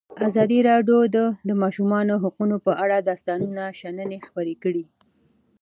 ازادي راډیو د د ماشومانو حقونه په اړه د استادانو شننې خپرې کړي.